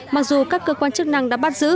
mặc dù các cơ quan chức năng đã bắt giữ